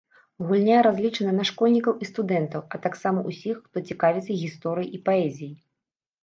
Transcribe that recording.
Гульня разлічана на школьнікаў і студэнтаў, а таксама ўсіх, хто цікавіцца гісторыяй і паэзіяй.